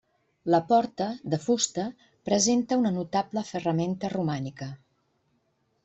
La porta, de fusta, presenta una notable ferramenta romànica.